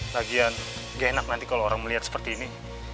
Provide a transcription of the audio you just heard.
lagian gak enak nanti kalau orang melihat seperti ini